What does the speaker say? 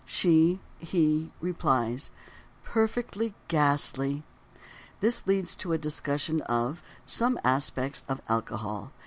She (he) replies: "Perfectly ghastly." This leads to a discussion of: Some Aspects of Alcohol.